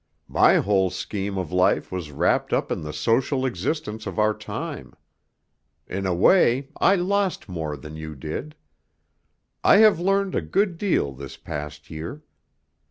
My whole scheme of life was wrapped up in the social existence of our time. In a way I lost more than you did. I have learned a good deal this past year.